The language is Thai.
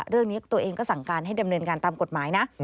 เรื่องนี้ตัวเองก็สั่งการให้ดำเนินการตามกฎหมายนะ